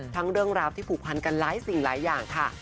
เรื่องราวที่ผูกพันกันหลายสิ่งหลายอย่างค่ะ